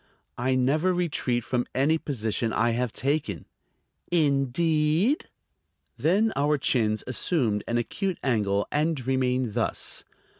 "I never retreat from any position I have taken." "Indeed?" Then both our chins assumed an acute angle and remained thus.